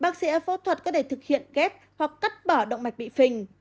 bác sĩ ở phẫu thuật có thể thực hiện ghép hoặc cắt bỏ động mạch bị phình